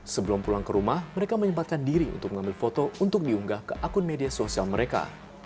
sebelum pulang ke rumah mereka menyempatkan diri untuk mengambil foto untuk diunggah ke akun media sosial mereka